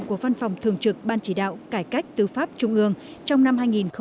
của văn phòng thường trực ban chỉ đạo cải cách tư pháp trung ương trong năm hai nghìn một mươi chín